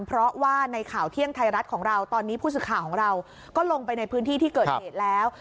เพราะว่าในข่าวเที่ยงไทยรัฐของเราตอนนี้ผู้สื่อข่าวของเราก็ลงไปในพื้นที่ที่เกิดเหตุแล้ว